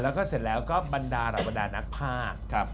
แล้วก็เสร็จแล้วก็บรรดาเหล่าบรรดานักภาค